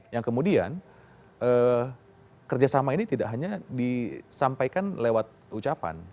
yang kemudian kerjasama ini tidak hanya disampaikan lewat ucapan